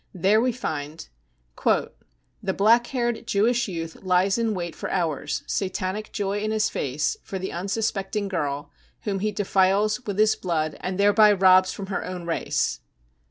There we find : 44 The black haired Jewish youth lies in wait for hours, Satanic joy in his fac^ for the unsuspecting girl, whom he defiles with his blood and thereby robs from her own race